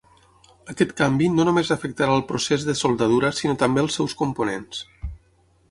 Aquest canvi no només afectarà el procés de soldadura sinó també als seus components.